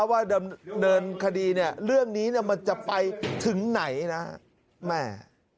ว่าดำเนินคดีเนี่ยเรื่องนี้มันจะไปถึงไหนนะแม่